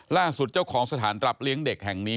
ล่าสุดเจ้าของสถานรับเลี้ยงเด็กแห่งนี้